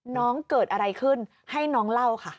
น้องเกิดอะไรขึ้นให้น้องเล่าค่ะ